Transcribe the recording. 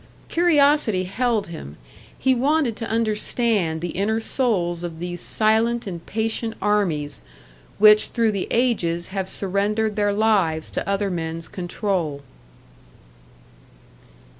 Curiosity held him, he wanted to understand the inner souls of these silent and patient armies which through the ages have surrendered their lives to other men's control.